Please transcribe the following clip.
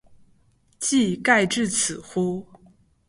技盖至此乎？